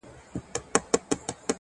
• چاته يې لمنه كي څـه رانــه وړل؛